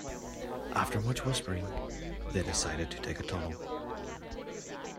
After much whispering, they decided to dig a tunnel.